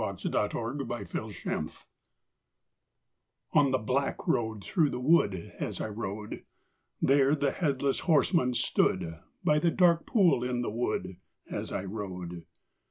THE HEADLESS HORSEMAN On the black road through the wood, As I rode, There the Headless Horseman stood, By the dark pool in the wood, As I rode.